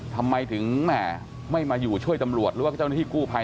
ทำไมถึงไม่มาอยู่ช่วยตำรวจหรือว่าเจ้าหน้าที่กู้ภัย